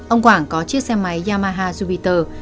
ông quảng có chiếc xe máy yamaha jupiter